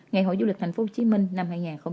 ngày hội du lịch tp hcm năm hai nghìn hai mươi bốn